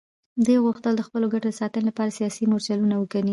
دوی غوښتل د خپلو ګټو د ساتنې لپاره سیاسي مورچلونه وکیني.